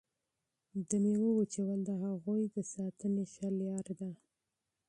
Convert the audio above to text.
د میوو وچول د هغوی د ساتنې ښه لاره ده.